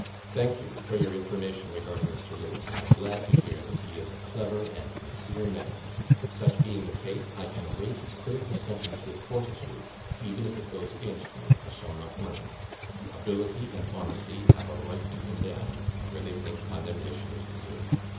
"Thank you for your information regarding Mr. Lewes. I am glad to hear that he is a clever and sincere man: such being the case, I can await his critical sentence with fortitude; even if it goes against me, I shall not murmur; ability and honesty have a right to condemn, where they think condemnation is deserved.